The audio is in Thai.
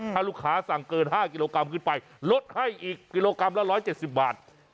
ถ้าลูกค้าสั่งเกิน๕กิโลกรัมขึ้นไปลดให้อีกกิโลกรัมละ๑๗๐บาท